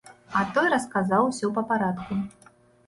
А той расказаў усё па парадку.